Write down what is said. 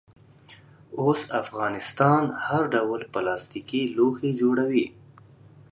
اوس افغانستان هر ډول پلاستیکي لوښي جوړوي.